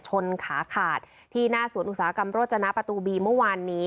ขาขาดที่หน้าสวนอุตสาหกรรมโรจนะประตูบีเมื่อวานนี้